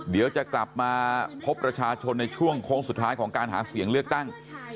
เดี๋ยวจะกลับมาพบประชาชนในช่วงโค้งสุดท้ายของการหาเสียงเลือกตั้ง